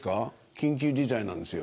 緊急事態なんですよ。